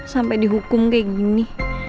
sampai dihukum kayak gini